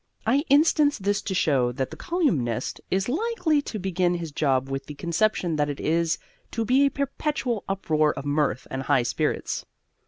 I instance this to show that the colyumist is likely to begin his job with the conception that it is to be a perpetual uproar of mirth and high spirits.